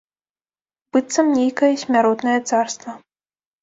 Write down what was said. Быццам нейкае смяротнае царства.